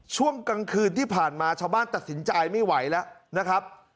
ช่วงกลางคืนที่ผ่านมาชาวบ้านตัดสินใจไม่ไหวแล้วนะครับ